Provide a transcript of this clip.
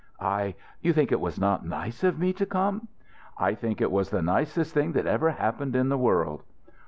"I you think it was not nice of me to come?" "I think it was the nicest thing that ever happened in the world."